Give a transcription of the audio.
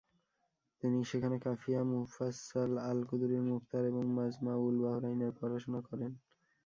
তিনি সেখানে কাফিয়া, মুফাসসাল, আল-কুদুরির মুখতার এবং মাজমা-উল-বাহরাইনের পড়াশোনা করেন ।